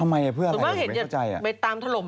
ส่วนมากเห็นจะไปตามทะลุม